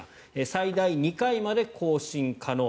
最大２回まで更新可能。